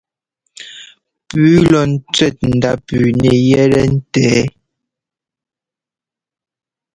Pʉ́ʉ lɔ ńtsẅɛ́ ndá pʉ́ʉ nɛ yɛtɛ ńtɛ́.